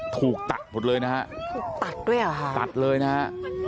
ถูกตัดหมดเลยนะฮะถูกตัดด้วยเหรอฮะตัดเลยนะฮะ